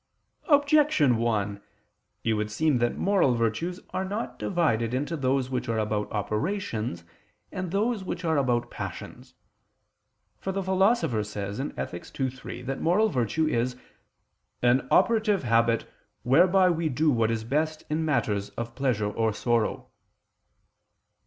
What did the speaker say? Objection 1: It would seem that moral virtues are not divided into those which are about operations and those which are about passions. For the Philosopher says (Ethic. ii, 3) that moral virtue is "an operative habit whereby we do what is best in matters of pleasure or sorrow."